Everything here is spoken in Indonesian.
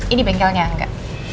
ini bengkelnya angga